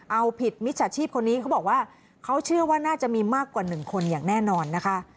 เอาผิดมิจฉาชีพคนนี้เขาบอกว่าเขาเชื่อว่าน่าจะมีมากกว่า๑คนอย่างแน่นอนนะคะ